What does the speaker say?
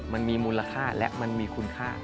มันมีมูลค่าและมันมีคุณค่า